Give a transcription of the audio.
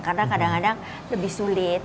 karena kadang kadang lebih sulit